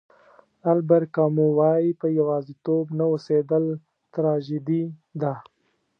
البر کامو وایي په یوازېتوب نه اوسېدل تراژیدي ده.